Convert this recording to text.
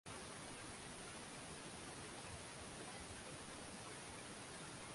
Yaliyofungwa katika michuano ya Ulaya Msimu wa Ligi